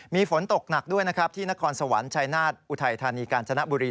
มีฝนตกหนักด้วยนะครับที่นครสวรรค์ชายนาฏอุทัยธานีกาญจนบุรี